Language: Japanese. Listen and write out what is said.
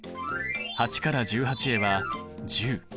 ８から１８へは１０。